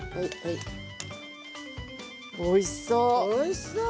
おいしそう。